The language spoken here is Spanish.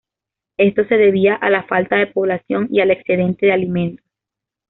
Esto se debía a la falta de población y al excedente de alimentos.